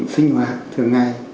sinh hoạt thường ngày